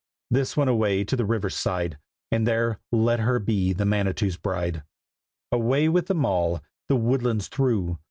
This one away to the river side, And there let her be the Manitou's bride. Away with them all, the woodlands through.